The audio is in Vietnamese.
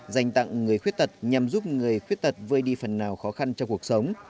dành tặng người khuyết tật nhằm giúp người khuyết tật vơi đi phần nào khó khăn trong cuộc sống